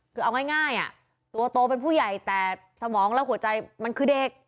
คือเอาง่ายตัวโตเป็นผู้ใหญ่แต่สมองและหัวใจมันคือเด็ก